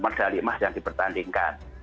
medali emas yang dipertandingkan